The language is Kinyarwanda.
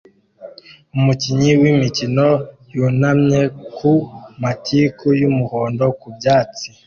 Umukinyi w'imikino yunamye ku matiku y'umuhondo ku byatsi